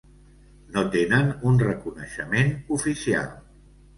No tenen un reconeixement oficial.